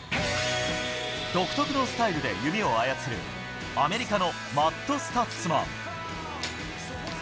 独特のスタイルで弓を操るアメリカのマット・スタッツマン。